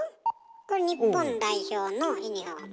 これ日本代表のユニフォーム。